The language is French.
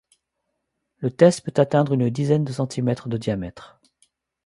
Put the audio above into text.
Le test peut atteindre une dizaine de centimètres de diamètres.